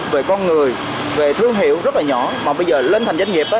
về con người về thương hiệu rất là nhỏ mà bây giờ lên thành doanh nghiệp